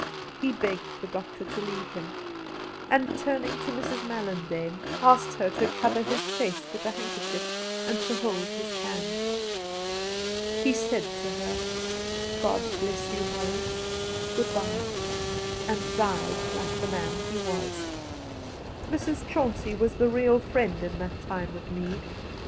He begged the doctor to leave him, and turning to Mrs. MaUandane, asked her to cover his face with a handkerchief, and to hold his hand. He said to her, ' God bless you, Molly I Good bye I' and died like the man he was. ' Mrs. Chauncey was the real friend in that time of need.